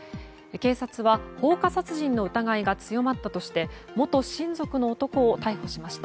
警察は放火殺人の疑いが強まったとして元親族の男を逮捕しました。